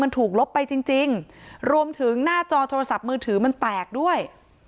มันถูกลบไปจริงจริงรวมถึงหน้าจอโทรศัพท์มือถือมันแตกด้วย